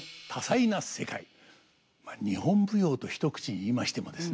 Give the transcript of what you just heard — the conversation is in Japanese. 日本舞踊と一口に言いましてもですね